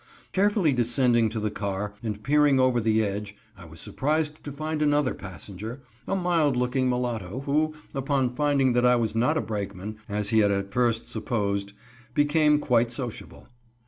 Carefully descending to the car and peering over the edge I was surprised to find another passenger, a mild looking mulatto, who, upon finding that I was not a brakeman, as he at first had supposed, became quite sociable.